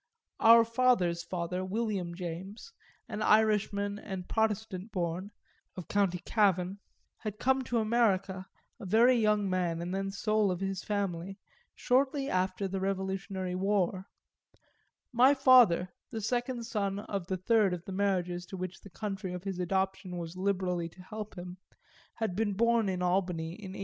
Our father's father, William James, an Irishman and a Protestant born (of county Cavan) had come to America, a very young man and then sole of his family, shortly after the Revolutionary War; my father, the second son of the third of the marriages to which the country of his adoption was liberally to help him, had been born in Albany in 1811.